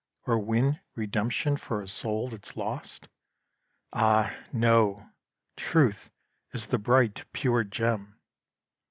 Or win redemption for a soul that's lost? Ah, no! Truth is the bright, pure gem!